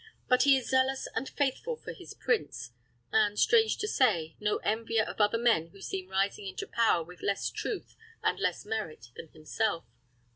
But he is zealous and, faithful for his prince, and, strange to say, no envier of other men who seem rising into power with less truth and less merit than himself.